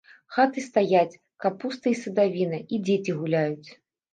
Хаты стаяць, капуста і садавіна, і дзеці гуляюць.